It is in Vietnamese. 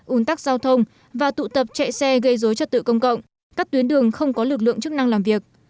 un tắc giao thông và tụ tập chạy xe gây dối trật tự công cộng các tuyến đường không có lực lượng chức năng làm việc